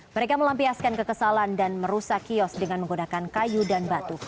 mereka melampiaskan kekesalan dan merusak kios dengan menggunakan kayu dan batu